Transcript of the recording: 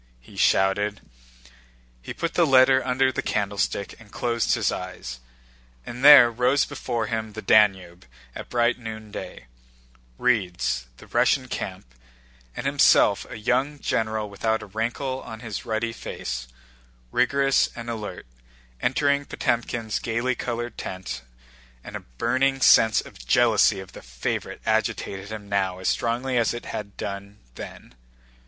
he shouted. He put the letter under the candlestick and closed his eyes. And there rose before him the Danube at bright noonday: reeds, the Russian camp, and himself a young general without a wrinkle on his ruddy face, vigorous and alert, entering Potëmkin's gaily colored tent, and a burning sense of jealousy of "the favorite" agitated him now as strongly as it had done then.